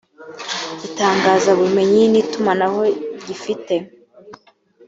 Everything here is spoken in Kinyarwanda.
itangazabumenyi n’itumanaho gifite